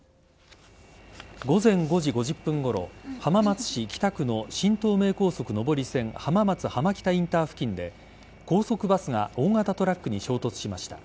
午前５時５０分ごろ浜松市北区の新東名高速上り線浜松浜北インター付近で高速バスが大型トラックに衝突しました。